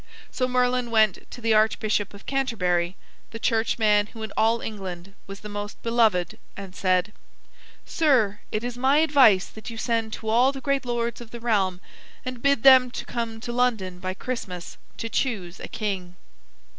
So Merlin went to the Archbishop of Canterbury, the churchman who in all England was the most beloved, and said: "Sir, it is my advice that you send to all the great lords of the realm and bid them come to London by Christmas to choose a king."